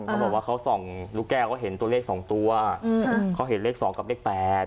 เขาบอกว่าเขาส่องลูกแก้เขาเห็นตัวเลข๒ตัวเขาเห็นเลข๒กับเลข๘